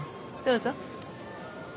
どうぞ。